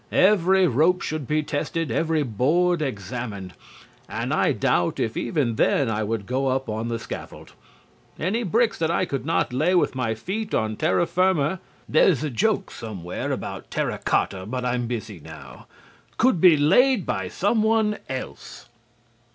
Every rope should be tested, every board examined, and I doubt if even then I would go up on the scaffold. Any bricks that I could not lay with my feet on terra firma (there is a joke somewhere about terra cotta, but I'm busy now) could be laid by some one else.